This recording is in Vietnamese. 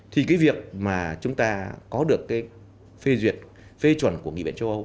thì việc chúng ta có được phê duyệt phê chuẩn của nghị viện châu âu